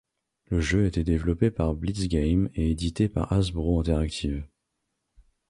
Le jeu a été développé par Blitz Games et édité par Hasbro Interactive.